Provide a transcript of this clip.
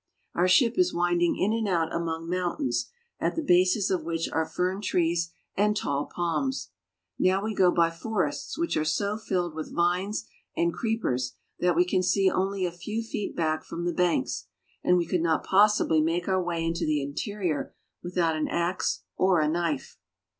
Our ship is winding in and out among mountains, at the bases of which are fern trees and tall palms. Now we go by forests which are so filled with vines and creepers that we can see only a few feet back from the banks, and we could not possibly make our way into the interior without an ax or a knife.